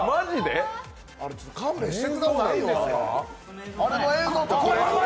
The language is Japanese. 勘弁してくださいよ。